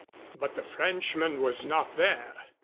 But the Frenchman was not there.